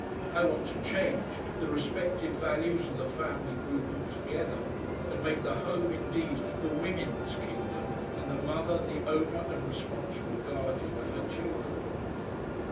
I want to change the respective values of the family group altogether, and make the home indeed the women's kingdom and the mother the owner and responsible guardian of her children.